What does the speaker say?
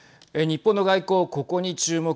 日本の外交ここに注目。